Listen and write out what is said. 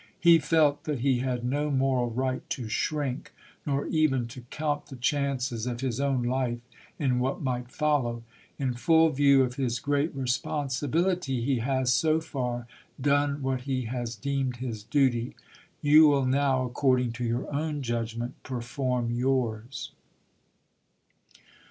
He felt that he had no moral right to shrink, nor even to count the chances Message to of his own life in what might follow. In full view of his j^ify ^^igei. great responsibility, he has, so far, done what he has ^??,*'^'Vm' deemed his duty. You will now, according to your own pp. 2 4.' judgment, perform yours.